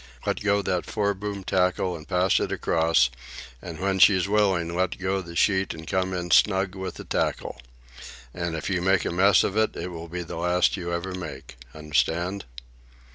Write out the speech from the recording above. "Let go that foreboom tackle and pass it across, and when she's willing let go the sheet and come in snug with the tackle. And if you make a mess of it, it will be the last you ever make. Understand?"